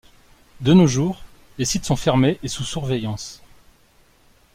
De nos jours les sites sont fermés et sous surveillance.